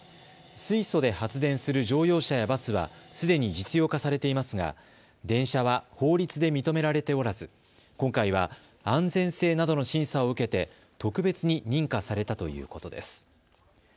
水素で発電する乗用車やバスはすでに実用化されていますが電車は法律で認められておらず今回は安全性などの審査を受けて特別に認可されたということです。